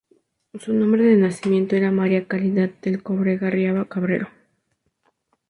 Su nombre de nacimiento era María Caridad del Cobre Garriga Cabrero.